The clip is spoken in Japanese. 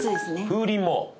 「風鈴」も？